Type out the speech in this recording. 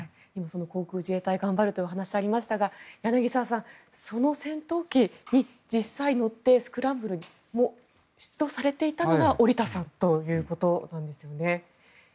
航空自衛隊頑張るというお話がありましたが柳澤さん、その戦闘機に実際乗って、スクランブルを出動されていたのが織田さんということなんですよね。